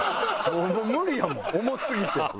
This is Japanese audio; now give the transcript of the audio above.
無理やもん重すぎて。